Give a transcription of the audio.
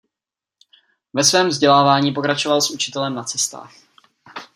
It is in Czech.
Ve svém vzdělávání pokračoval s učitelem na cestách.